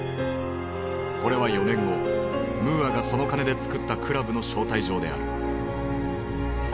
これは４年後ムーアがその金でつくったクラブの招待状である。